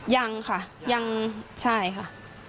ยังค่ะยังใช่ค่ะ